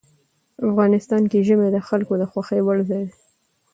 افغانستان کې ژمی د خلکو د خوښې وړ ځای دی.